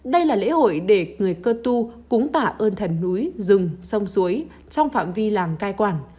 đây là lễ hội để người cơ tu cúng tả ơn thần núi rừng sông suối trong phạm vi làng cai quản